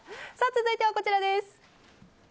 続いては、こちらです。